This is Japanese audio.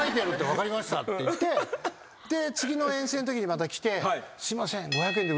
「分かりました」って言ってで次の遠征のときにまた来て「すいません」